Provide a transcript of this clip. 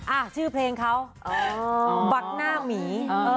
อ่ะชื่อเพลงเขาบักหน้าหมี